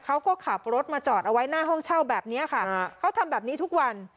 เขาก็ขับรถมาจอดเอาไว้หน้าห้องเช่าแบบนี้ค่ะเขาทำแบบนี้ทุกวัน